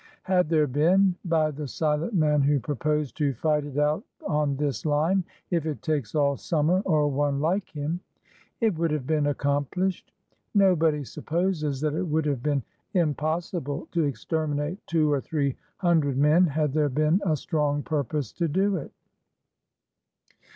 Had there been, by the silent man who proposed to fight it out on this line if it takes all sum mer,'' or one like him, it would have been accomplished. Nobody supposes that it would have been impossible to exterminate two or three hundred men had there been a strong purpose to do it.